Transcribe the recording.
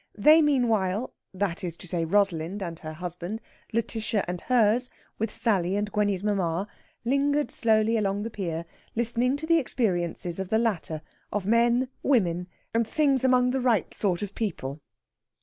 They meanwhile that is to say, Rosalind and her husband, Lætitia and hers, with Sally and Gwenny's mamma lingered slowly along the pier listening to the experiences of the latter, of men, women, and things among the right sort of people.